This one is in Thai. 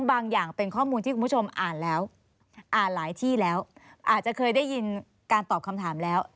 บางอย่างเป็นข้อมูลที่คุณผู้ชมอ่านแล้วอ่านหลายที่แล้วอาจจะเคยได้ยินการตอบคำถามแล้ว